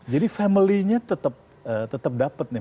jadi familynya tetap dapat nih